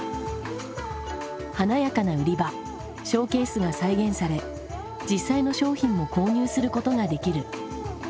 華やかな売り場ショーケースが再現され実際の商品も購入することができる。